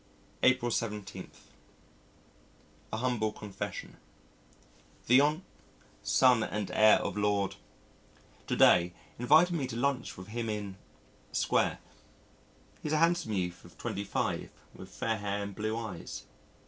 April 17. A Humble Confession The Hon. , son and heir of Lord , to day invited me to lunch with him in Square. He's a handsome youth of twenty five, with fair hair and blue eyes....